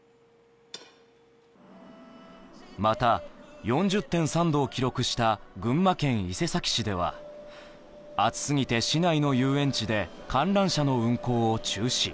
また、４０．３度を記録した群馬県伊勢崎市では暑すぎて市内の遊園地で観覧車の運行を中止。